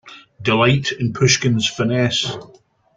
Delight in Pushkin's finesse.